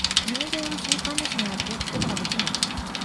人間は習慣なしにやってゆくことができぬ。